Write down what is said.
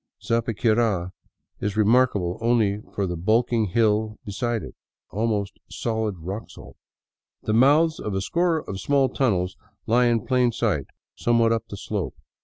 Zapiquira is remarkable only for the bulking hill beside it, almost solid rock salt. The mouths of a score of small tunnels lie in plain sight somewhat up the slope.